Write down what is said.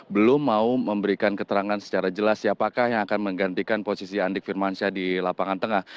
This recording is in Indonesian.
belum mau memberikan keterangan secara jelas siapakah yang akan menggantikan posisi andik firmansyah di lapangan tengah